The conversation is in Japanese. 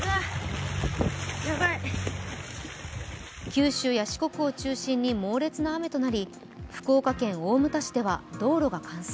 九州や四国を中心に猛烈な雨となり福岡県大牟田市では道路が冠水。